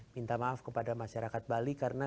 minta maaf kepada masyarakat bali karena